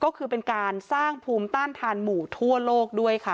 ก็คือเป็นการสร้างภูมิต้านทานหมู่ทั่วโลกด้วยค่ะ